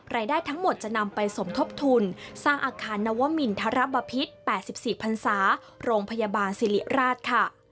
รายได้ทั้งหมดจะนำไปสมทบทุนสร้างอาคารนวมินทรบพิษ๘๔พันศาโรงพยาบาลสิริราชค่ะ